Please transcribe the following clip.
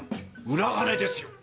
裏金ですよ。